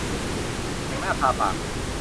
แต่งหน้าทาปาก